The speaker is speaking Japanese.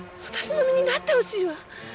私の身になってほしいわ。